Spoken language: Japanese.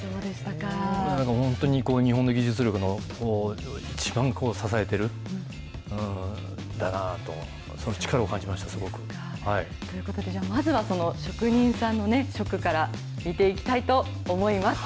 本当に日本の技術力の、一番支えてるんだなあと思って、その力を感じました、ということで、じゃあまずは職人さんの職から見ていきたい思います。